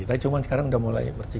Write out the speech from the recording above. tapi cuma sekarang udah mulai bersih